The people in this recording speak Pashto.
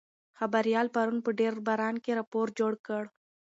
خبریال پرون په ډېر باران کې راپور جوړ کړ.